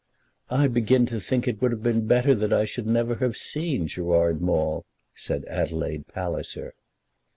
"I begin to think it would have been better that I should never have seen Gerard Maule," said Adelaide Palliser.